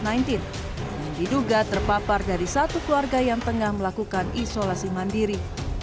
yang diduga terpapar dari satu keluarga yang tengah melakukan isolasi mandiri